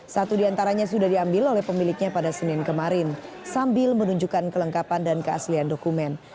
satu diantaranya sudah diambil oleh pemiliknya pada senin kemarin sambil menunjukkan kelengkapan dan keaslian dokumen